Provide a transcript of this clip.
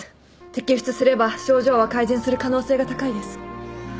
摘出すれば症状は改善する可能性が高いです。